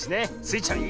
スイちゃん